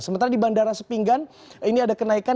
sementara di bandara sepinggan ini ada kenaikan